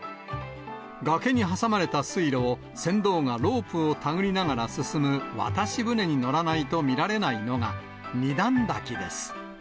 崖に挟まれた水路を、船頭がロープを手繰りながら進む渡し船に乗らないと見られないのが、二段滝です。